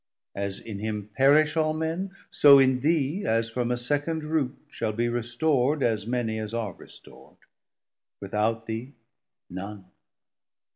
As in him perish all men, so in thee As from a second root shall be restor'd, As many as are restor'd, without thee none.